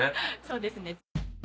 そうですね。